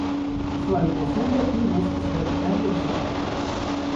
Su alineación de pines es vertical y horizontal.